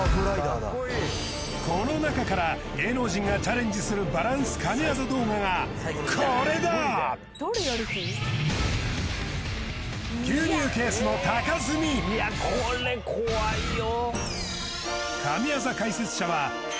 この中から芸能人がチャレンジするバランス神業動画がこれだ！になるかなとだと思います